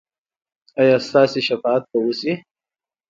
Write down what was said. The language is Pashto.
ایا ستاسو شفاعت به وشي؟